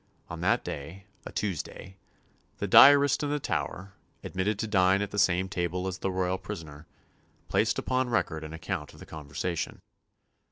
On that day a Tuesday the diarist in the Tower, admitted to dine at the same table as the royal prisoner, placed upon record an account of the conversation.